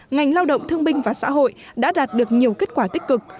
ngành lao động thương binh và xã hội đã đạt được nhiều kết quả tích cực